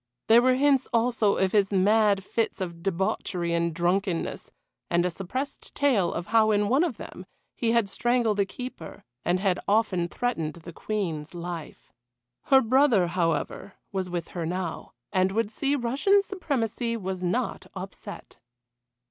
There were hints also of his mad fits of debauchery and drunkenness, and a suppressed tale of how in one of them he had strangled a keeper, and had often threatened the Queen's life. Her brother, however, was with her now, and would see Russian supremacy was not upset.